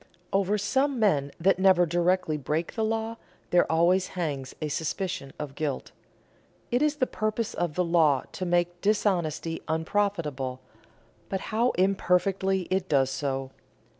Over some men that never directly break the law there always hangs a suspicion of guilt. It is the purpose of the law to make dishonesty unprofitable, but how imperfectly it does so!